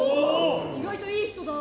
意外といい人だ。